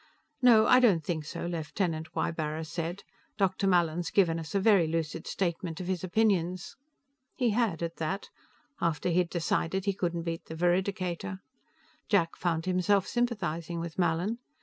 "No, I don't think so," Lieutenant Ybarra said. "Dr. Mallin's given us a very lucid statement of his opinions." He had, at that, after he'd decided he couldn't beat the veridicator. Jack found himself sympathizing with Mallin.